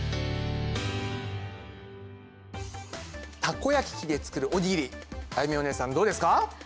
たこ焼き器で作るおにぎりあゆみおねえさんどうですか？